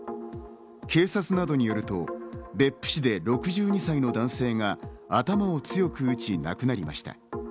警察などによると、別府市で６２歳の男性が頭を強く打ち、亡くなりました。